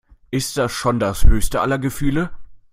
Ist das schon das höchste aller Gefühle?